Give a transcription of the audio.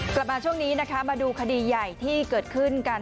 กลับมาช่วงนี้นะคะมาดูคดีใหญ่ที่เกิดขึ้นกัน